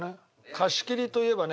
貸し切りといえばね